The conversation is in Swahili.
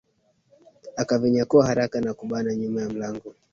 Akavinyakua haraka na kubana nyuma ya mlango